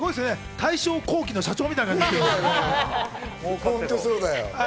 大正後期の社長みたい。